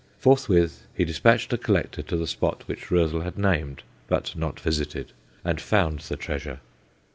Forthwith he despatched a collector to the spot which Roezl had named but not visited and found the treasure.